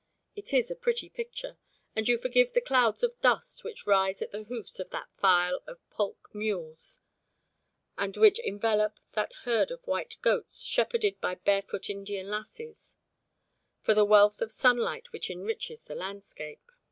It is a pretty picture, and you forgive the clouds of dust, which rise at the hoofs of that file of pulque mules and which envelop that herd of white goats shepherded by barefoot Indian lassies, for the wealth of sunlight which enriches the landscape.